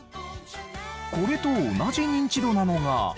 これと同じニンチドなのが。